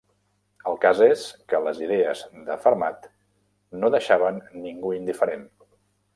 El cas és que les idees de Fermat no deixaven ningú indiferent.